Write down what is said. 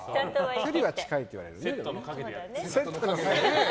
距離は近いって言われるね。